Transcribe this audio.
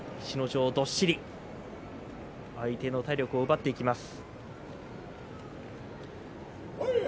城どっしり相手の体力を奪っていきます。